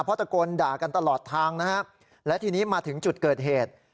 เพราะตะโกนด่ากันตลอดทางนะครับและทีนี้มาถึงจุดเกิดเหตุ